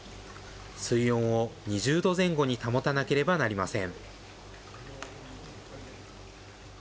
水温を２０度前後に保たなければなりません。